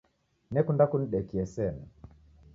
Nekunda kunidekie sena.